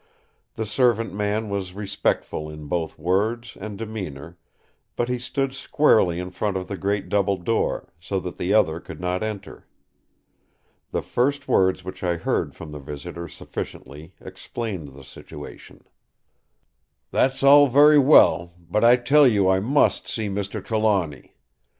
The servant man was respectful in both words and demeanour; but he stood squarely in front of the great double door, so that the other could not enter. The first words which I heard from the visitor sufficiently explained the situation: "That's all very well, but I tell you I must see Mr. Trelawny!